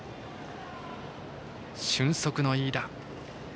俊足の飯田。